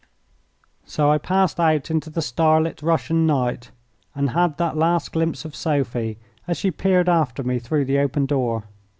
So I passed out into the star lit Russian night, and had that last glimpse of Sophie as she peered after me through the open door.